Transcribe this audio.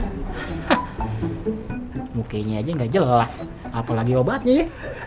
hah mukanya aja gak jelas apalagi obatnya ya